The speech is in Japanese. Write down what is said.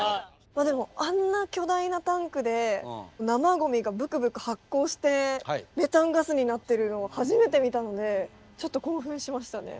でもあんな巨大なタンクで生ゴミがブクブク発酵してメタンガスになってるのを初めて見たのでちょっと興奮しましたね。